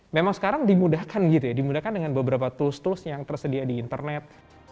memang sekarang dimudahkan gitu ya dimudahkan dengan beberapa tools tools yang tersedia di internet